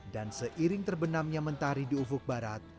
dan seiring terbenamnya mentahari di ufuk barat